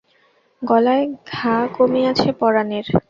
গলায় ঘা কমিয়াছে পরানের।